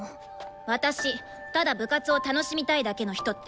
私ただ部活を楽しみたいだけの人って嫌いなの。